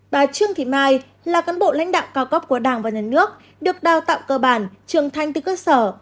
bà trương thị mai là cán bộ lãnh đạo cao cấp của đảng và nhà nước được đào tạo cơ bản trường thanh từ cơ sở